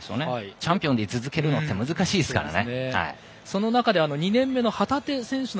チャンピオンでい続けるのは難しいですからね。